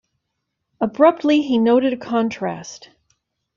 Abruptly he noted a contrast.